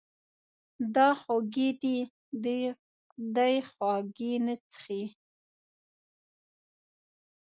دا خوږې دي، دی خوږې نه څښي.